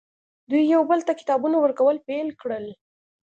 دوی یو بل ته کتابونه ورکول پیل کړل